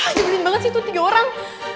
aduh beneran sih itu tiga orang